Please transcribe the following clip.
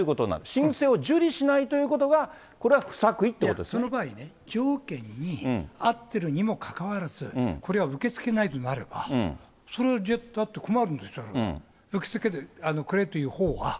申請を受理しないということが、いや、その場合に、条件に合ってるにもかかわらず、これは受け付けないとなれば、それは困るんですよ、受け付けてくれというほうは。